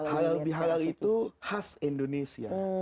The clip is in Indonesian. halal bihalal itu khas indonesia